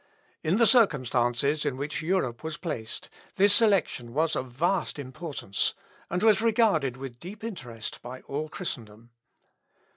In the circumstances in which Europe was placed, this election was of vast importance, and was regarded with deep interest by all Christendom.